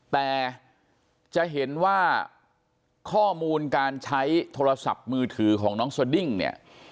แต่จะเห็นว่าข้อมูลการใช้โทรศัพท์มือถือของน้องสดิ้งเนี่ย